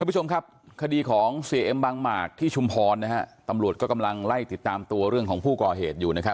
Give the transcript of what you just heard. คุณผู้ชมครับคดีของเซเอ็มบางหมากที่ชุมพรตำรวจกำลังไล่ติดตามตัวเรื่องของผู้กล่อเหตุอยู่